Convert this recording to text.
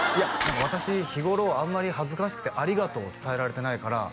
「私日頃あんまり恥ずかしくて」「ありがとうを伝えられてないから」